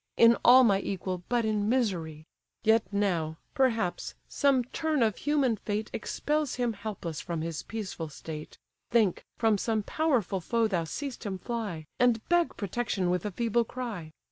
In all my equal, but in misery! Yet now, perhaps, some turn of human fate Expels him helpless from his peaceful state; Think, from some powerful foe thou seest him fly, And beg protection with a feeble cry.